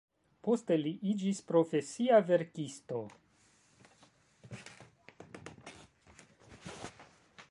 Poste li iĝis profesia verkisto.